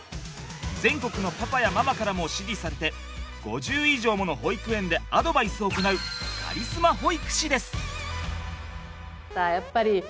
全国のパパやママからも支持されて５０以上もの保育園でアドバイスを行うカリスマ保育士です。